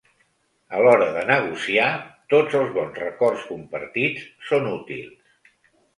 A l'hora de negociar, tots els bons records compartits són útils.